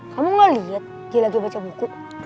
kamu gak lihat dia lagi baca buku